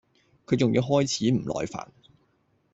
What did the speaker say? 佢仲要開始唔耐煩